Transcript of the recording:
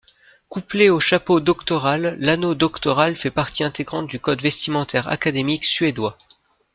Couplé au chapeau doctoral, l'anneau doctoral fait partie intégrante du code vestimentaire académique suédois.